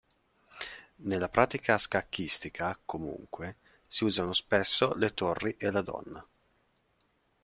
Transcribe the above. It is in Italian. Nella pratica scacchistica, comunque, si usano spesso le torri e la Donna.